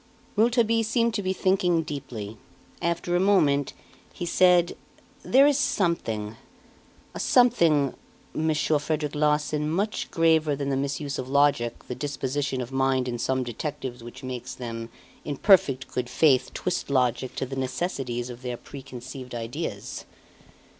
Rouletabille seemed to be thinking deeply. After a moment he said: "There is something a something, Monsieur Frederic Larsan, much graver than the misuse of logic the disposition of mind in some detectives which makes them, in perfect good faith, twist logic to the necessities of their preconceived ideas.